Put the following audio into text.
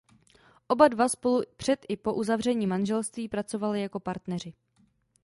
Oba dva spolu před i po uzavření manželství pracovali jako partneři.